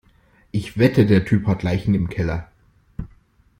Ich wette, der Typ hat Leichen im Keller.